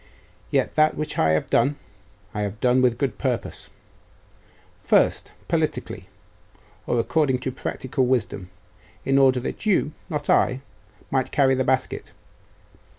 Yet that which I have done, I have done with a good purpose. First, politically, or according to practical wisdom in order that you, not I, might carry the basket.